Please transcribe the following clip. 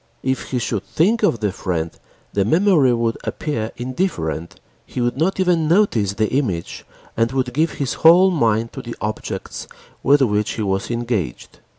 If he should think of the friend the memory would appear indifferent, he would not even notice the image and would give his whole mind to the objects with which he was engaged.